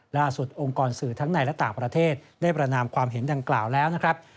องค์กรสื่อทั้งในและต่างประเทศได้ประนามความเห็นดังกล่าวแล้วนะครับ